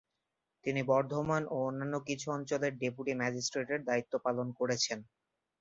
তিনি বর্ধমান ও অন্যান্য কিছু অঞ্চলের ডেপুটি ম্যাজিস্ট্রেটের দায়িত্ব পালন করেছেন।